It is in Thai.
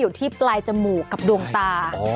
อยู่ที่ปลายจมูกกับดวงตา